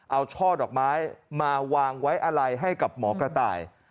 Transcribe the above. เอาช่อดอกไม้มาวางไว้อะไรให้กับหมอกระต่าย